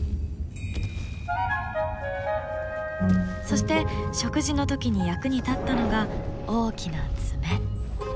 そして食事の時に役に立ったのが大きな爪。